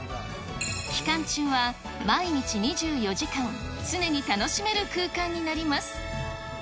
期間中は、毎日２４時間、常に楽しめる空間になります。